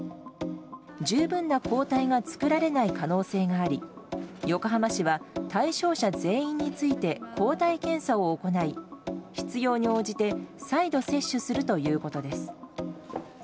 十分な抗体が作られない可能性があり横浜市は対象者全員について抗体検査を行い、必要に応じて再度接種するということです。